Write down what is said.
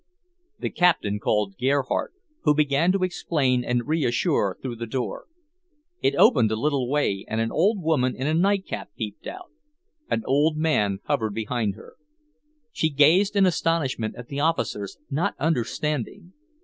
The Captain called Gerhardt, who began to explain and reassure through the door. It opened a little way, and an old woman in a nightcap peeped out. An old man hovered behind her. She gazed in astonishment at the officers, not understanding.